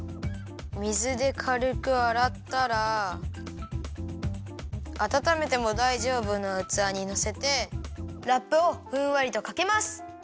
水でかるくあらったらあたためてもだいじょうぶなうつわにのせてラップをふんわりとかけます。